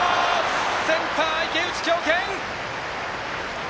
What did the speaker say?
センター池内、強肩！